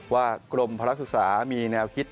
ว่ากลมภาพลักษณ์ศึกษามีแนวคิด